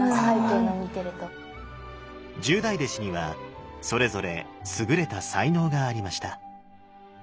十大弟子にはそれぞれ優れた才能がありました。